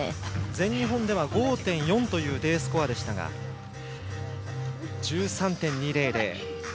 全日本では５．４というＤスコアでしたが。１３．２００。